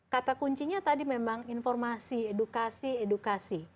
kata kuncinya tadi memang informasi edukasi edukasi